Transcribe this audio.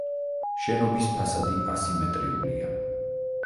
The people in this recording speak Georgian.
შენობის ფასადი ასიმეტრიულია.